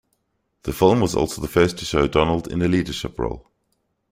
The film was also the first to show Donald in a leadership role.